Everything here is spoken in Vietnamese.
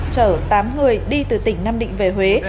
chở tám người đi từ tỉnh nam định về huế